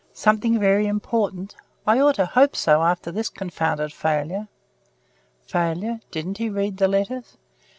Something very important. I ought to hope so after this confounded failure." "Failure? Didn't he read the letters?"